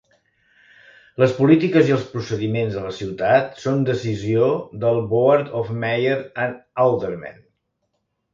Les polítiques i els procediments de la ciutat són decisió del Board of Mayer and Aldermen.